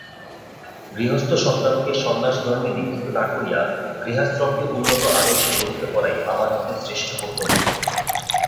গৃহস্থসন্তানকে সন্ন্যাসধর্মে দীক্ষিত না করিয়া গৃহাশ্রমকে উন্নত আদর্শে গঠিত করাই আমার মতে শ্রেষ্ঠ কর্তব্য।